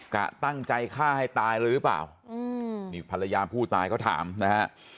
กะตั้งใจฆ่าให้ตายเลยหรือเปล่านี่ภรรยาผู้ตายเขาถามนะฮะ